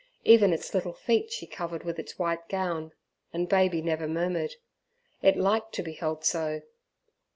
Even its little feet she covered with its white gown, and baby never murmured it liked to be held so.